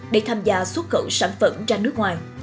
để tham gia xuất khẩu sản phẩm ra nước ngoài